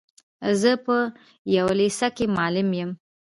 زه په يوه لېسه کي معلم يم.